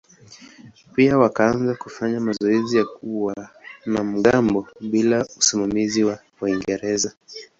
Pia wakaanza kufanya mazoezi ya wanamgambo bila usimamizi wa Waingereza.